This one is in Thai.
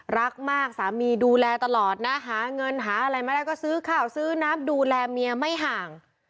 รักมากสามีดูแลตลอดนะหาเงินหาอะไรไม่ได้ก็ซื้อข้าวซื้อน้ำดูแลเมียไม่ห่าง